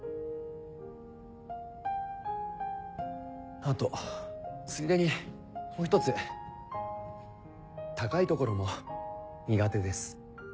あとついでにもう１つ高い所も苦手です。